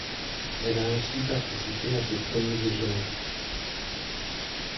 Elle a ainsi participé à ses premiers Jeux olympiques.